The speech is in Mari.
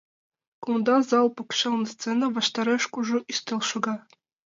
Кумда зал покшелне сцена ваштареш кужу ӱстел шога.